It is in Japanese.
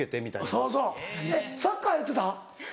そうそうサッカーやってた？